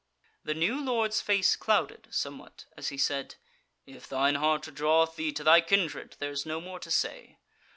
The new Lord's face clouded somewhat, as he said: "If thine heart draweth thee to thy kindred, there is no more to say.